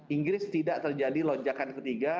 inggris tidak terjadi lonjakan ketiga